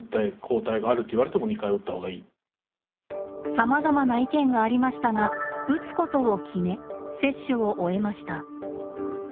さまざまな意見がありましたが打つことを決め接種を終えました。